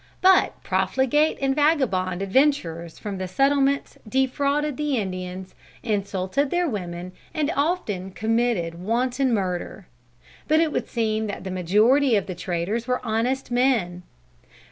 But profligate and vagabond adventurers from the settlements defrauded the Indians, insulted their women, and often committed wanton murder. But it would seem that the majority of the traders were honest men.